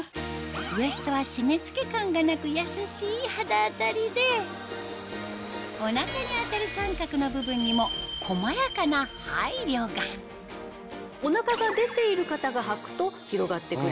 ウエストは締め付け感がなく優しい肌当たりでお腹に当たる三角の部分にも細やかな配慮がお腹が出ている方がはくと広がってくれる。